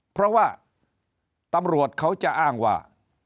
เพราะว่าตำรวจเขาจะอ้างว่า